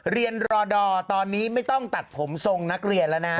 เรียนรอดอตอนนี้ไม่ต้องตัดผมทรงนักเรียนแล้วนะ